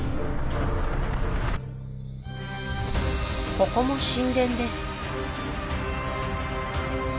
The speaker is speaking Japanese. ここも神殿です